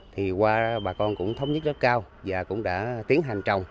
thì qua bà con cũng thống nhất rất cao và cũng đã tiến hành trồng